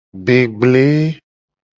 Be gble.